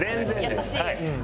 優しい。